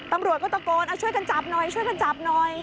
ตำรวจก็ตะโกนช่วยกันจับหน่อยช่วยกันจับหน่อย